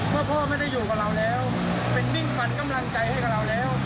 พ่อไม่ได้อยู่กับเราแล้วเป็นมิ่งฝันกำลังใจให้กับเราแล้ว